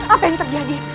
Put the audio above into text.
apa yang terjadi